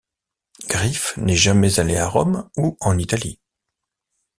Griffes n'est jamais allé à Rome ou en Italie.